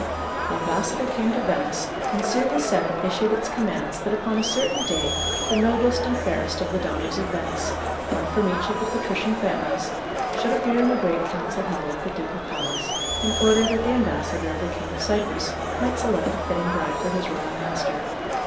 The ambassador came to Venice, and soon the senate issued its commands that upon a certain day the noblest and fairest of the daughters of Venice one from each of the patrician families should appear in the great Council Hall of the Ducal Palace in order that the ambassador of the King of Cyprus might select a fitting bride for his royal master.